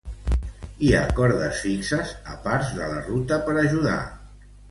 Hi ha cordes fixes a parts de la ruta per ajudar.